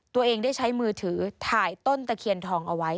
ตัวเองได้ใช้มือถือถ่ายต้นตะเคียนทองเอาไว้